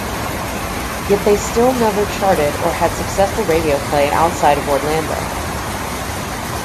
Yet they still never charted or had successful radio play outside of Orlando.